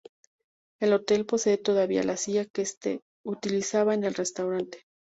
El hotel posee todavía la silla que este utilizaba en el restaurante.